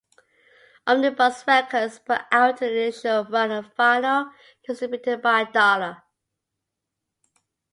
Omnibus Records put out an initial run of vinyl distributed by Darla.